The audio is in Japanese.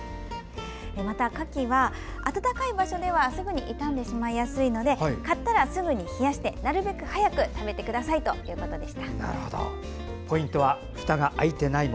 また、かきは暖かい場所ではすぐに傷んでしまいやすいので買ったらすぐに冷やしてなるべく早く食べてくださいということです。